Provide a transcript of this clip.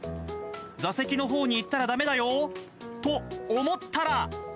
座席のほうに行ったらだめだよーっと、思ったら。